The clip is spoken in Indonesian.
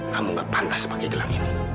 kamu gak pantas sebagai gelang ini